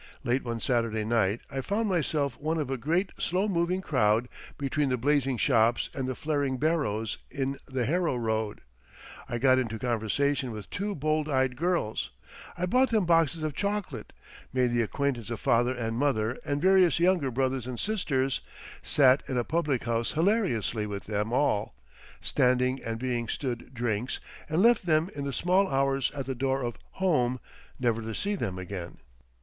Late one Saturday night I found myself one of a great slow moving crowd between the blazing shops and the flaring barrows in the Harrow Road; I got into conversation with two bold eyed girls, bought them boxes of chocolate, made the acquaintance of father and mother and various younger brothers and sisters, sat in a public house hilariously with them all, standing and being stood drinks, and left them in the small hours at the door of "home," never to see them again.